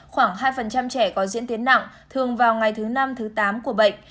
khoảng hai trẻ có diễn tiến nặng thường vào ngày thứ năm thứ tám của bệnh